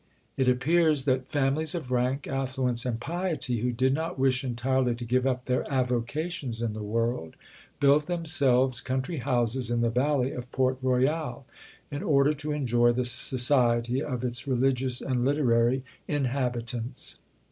It appears that "families of rank, affluence, and piety, who did not wish entirely to give up their avocations in the world, built themselves country houses in the valley of Port Royal, in order to enjoy the society of its religious and literary inhabitants."